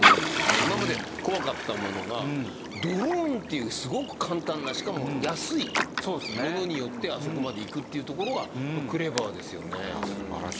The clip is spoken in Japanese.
今まで怖かったものがドローンっていうすごく簡単なしかも安いものによってあそこまでいくっていうところがクレバーですよね。